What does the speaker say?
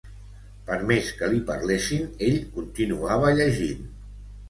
Per més que li parlessin, ell continuava llegint.